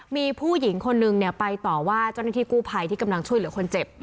มีผู้หญิงคนนึงไปต่อว่าเจ้าหน้าที่กู้ภัยที่กำลังช่วยเหลือคนเจ็บ